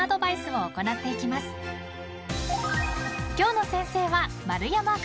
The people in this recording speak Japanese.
［今日の先生は］